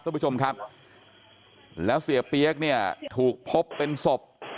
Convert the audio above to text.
คุณผู้ชมครับแล้วเสียเปี๊ยกเนี่ยถูกพบเป็นศพ